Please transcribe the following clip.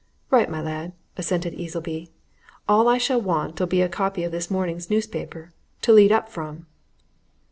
"Right, my lad!" assented Easleby. "All I shall want'll be a copy of this morning's newspaper to lead up from."